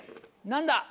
何だ？